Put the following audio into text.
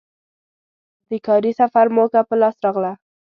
د کاري سفر موکه په لاس راغله.